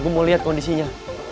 gue mau liat kondisinya